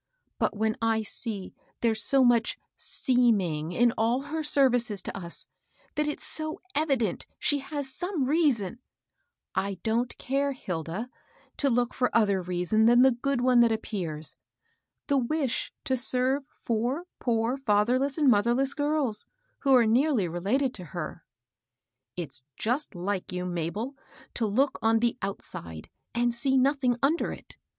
But^hen I see there's so much %eeming in all her services to us, — that it's so evident she has some reason "— "I don't care, Hilda, to look for other reason than the good one that appears, — the wish to serve four poor fatherless and motb^less girls, who are nearly related to her." " It's just like you, Mabel, to look on the out side, and see nothing under it.